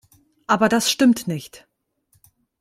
Aber das stimmt nicht.